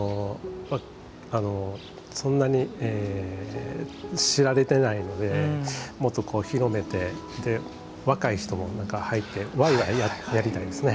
そんなに知られてないのでもっと広めて若い人も入ってわいわいやりたいですね。